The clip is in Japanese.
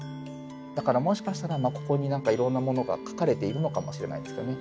だからもしかしたらここに何かいろんなものが書かれているのかもしれないですけどね。